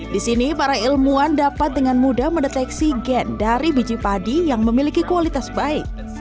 di sini para ilmuwan dapat dengan mudah mendeteksi gen dari biji padi yang memiliki kualitas baik